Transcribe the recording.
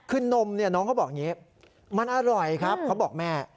คือนมเนี่ยน้องเขาบอกอย่างนี้มันอร่อยครับเขาบอกแม่